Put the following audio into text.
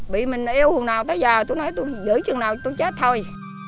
bị mình yêu hồi nào tới giờ tôi nói tôi giữ chừng nào tôi chết thôi